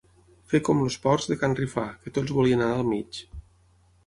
Fer com els porcs de can Rifà, que tots volien anar al mig.